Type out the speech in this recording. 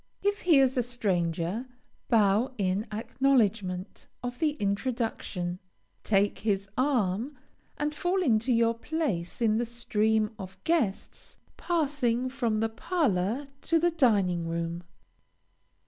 If he is a stranger, bow in acknowledgement of the introduction, take his arm, and fall into your place in the stream of guests passing from the parlor to the dining room.